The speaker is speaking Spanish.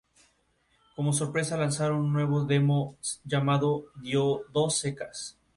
Como sorpresa, lanzaron un nuevo demo llamado "Dos Secas".